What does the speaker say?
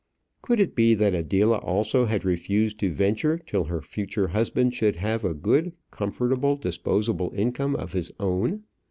Could it be that Adela also had refused to venture till her future husband should have a good, comfortable, disposable income of his own?